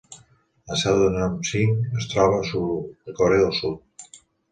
La seu de Nongshim es troba a Seül, a Corea del Sud.